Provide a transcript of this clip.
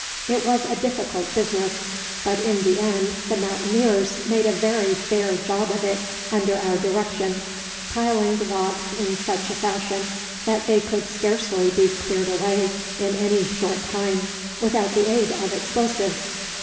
It was a difficult business, but in the end the Mountaineers made a very fair job of it under our direction, piling the rocks in such a fashion that they could scarcely be cleared away in any short time without the aid of explosives.